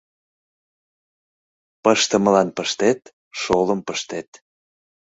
Пыштымылан пыштет, шолым пыштет: